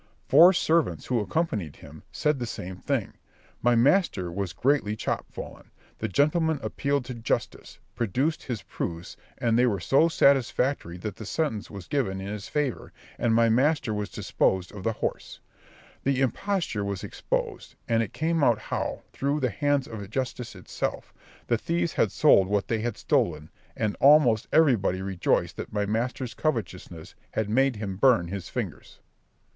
Four servants, who accompanied him, said the same thing. My master was greatly chopfallen; the gentleman appealed to justice, produced his proofs, and they were so satisfactory that sentence was given in his favour, and my master was dispossessed of the horse. The imposture was exposed; and it came out how, through the hands of justice itself, the thieves had sold what they had stolen; and almost everybody rejoiced that my master's covetousness had made him burn his fingers.